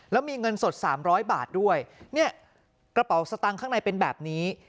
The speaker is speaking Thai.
แล้วมีเงินสด๓๐๐บาทด้วยเนี่ยกระเป๋าสตางค์ข้างในเป็นแบบนี้